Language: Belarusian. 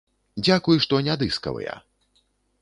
Дзякуй, што не дыскавыя.